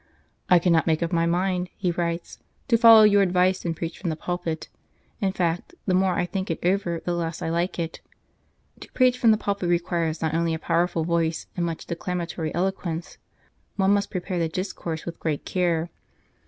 " I cannot make up my mind," 212 The Only Way he writes, "to follow your advice and preach from the pulpit ; in fact, the more I think it over, the less I like it. To preach from the pulpit requires not only a powerful voice and much declamatory eloquence ; one must prepare the discourse with great care.